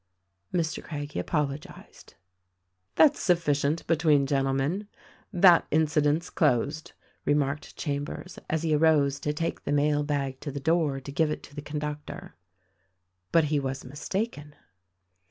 Mr. Craggie apologized. "That's sufficient between gentlemen. That incident's THE RECORDING ANGEL 203 closed," remarked Chambers as he arose to take the mail bag to the door to give it to the conductor. But he was mistaken.